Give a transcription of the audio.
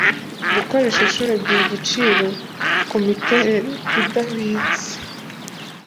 gukoresha inshuro ebyiri igiciro kumiterere idahwitse